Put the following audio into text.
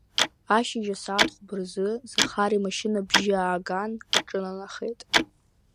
Ашьыжь, асааҭ хәба рзы, Захар имашьына бжьы ааган, аҿынанахеит.